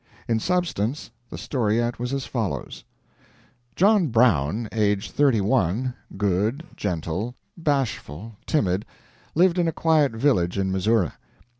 In substance the storiette was as follows: John Brown, aged thirty one, good, gentle, bashful, timid, lived in a quiet village in Missouri.